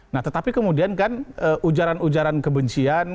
nah tetapi kemudian kan ujaran ujaran kebencian